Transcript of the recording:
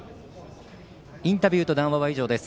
インタビューと談話は以上です。